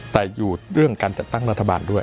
แต่อยู่เรื่องการจัดตั้งรัฐบาลด้วย